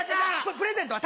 プレゼントは？